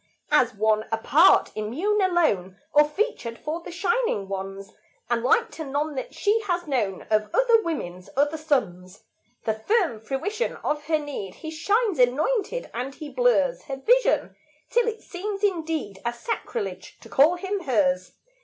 As one apart, immune, alone, Or featured for the shining ones, And like to none that she has known Of other women's other sons, The firm fruition of her need, He shines anointed; and he blurs Her vision, till it seems indeed A sacrilege to call him hers.